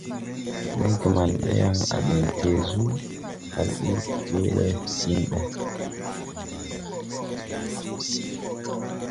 Maygeman ɓe yaŋ à ɗeŋ Tɛɛsu kal ur ɗee le ɓiŋ ɓe.